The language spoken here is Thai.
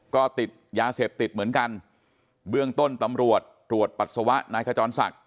ก็ติดยาเสพติดเหมือนกันเบื้องต้นตำรวจตรวจปัสสาวะนายขจรศักดิ